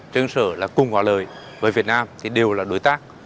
trên sở là cùng hòa lời với việt nam thì đều là đối tác